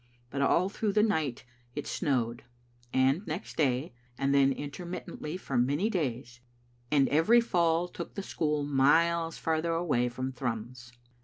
But all through the night it snowed, and next day, and then intermittently for many days, and every fall took the school miles farther away from Thrums.